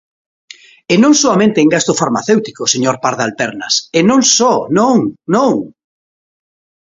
E non soamente en gasto farmacéutico, señor Pardal Pernas, e non só, non, non.